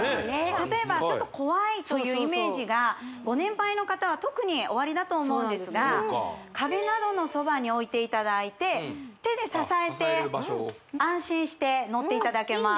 例えばちょっと怖いというイメージがご年配の方は特におありだと思うんですが壁などのそばに置いていただいて手で支えて安心して乗っていただけます